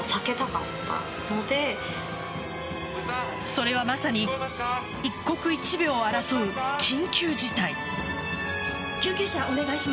それはまさに一刻一秒を争う緊急事態。